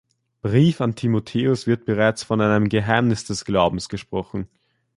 Brief an Timotheus wird bereits von einem „Geheimnis des Glaubens“ gesprochen.